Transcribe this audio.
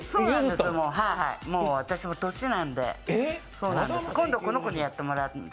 もう私も年なんで今度この子にやってもらって。